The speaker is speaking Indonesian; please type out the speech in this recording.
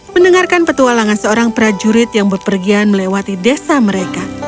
mendengarkan petualangan seorang prajurit yang berpergian melewati desa mereka